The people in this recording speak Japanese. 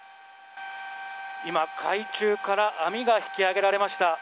今、海中から網が引き揚げられました。